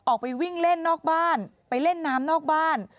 ออกไปวิ่งเล่นนอกบ้านไปเล่นน้ำนอกบ้าน